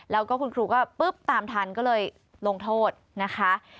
แล้วก็คุณครูก็ปุ๊บตามทันก็เลยลงโทษนะคะ